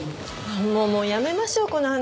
もうやめましょうこの話は。